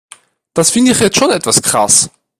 Das finde ich jetzt schon etwas krass.